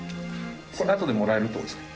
あとでもらえるって事ですか？